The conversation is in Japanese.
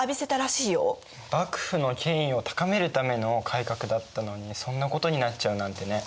幕府の権威を高めるための改革だったのにそんなことになっちゃうなんてね。